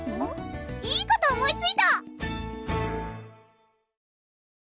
いいこと思いついた！